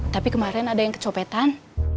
tapi kemarin ada yang kecopetan